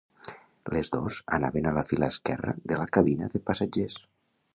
Les dos anaven a la fila esquerra de la cabina de passatgers.